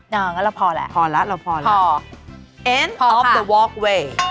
งั้นเราพอแล้วพอแล้วพอแล้ว